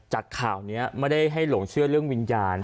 จากข่าวนี้ไม่ได้ให้หลงเชื่อเรื่องวิญญาณ